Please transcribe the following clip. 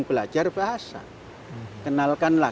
belajar bahasa kenalkanlah